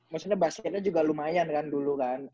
maksudnya basketnya juga lumayan kan dulu kan